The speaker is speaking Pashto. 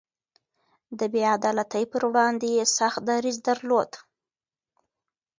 د بې عدالتۍ پر وړاندې يې سخت دريځ درلود.